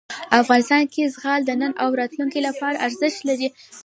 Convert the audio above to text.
افغانستان کې زغال د نن او راتلونکي لپاره ارزښت لري.